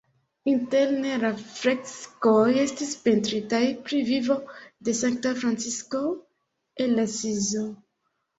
Interne la freskoj estis pentritaj pri vivo de Sankta Francisko el Asizo.